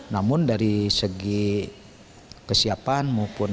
namun dari segi kesiapan